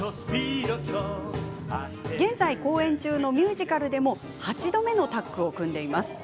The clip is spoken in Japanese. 現在、公演中のミュージカルでも８度目のタッグを組んでいます。